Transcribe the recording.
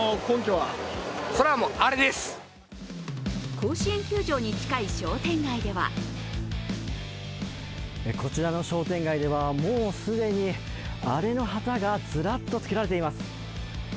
甲子園球場に近い商店街ではこちらの商店街ではもう既にアレの旗がずらっとつけられています。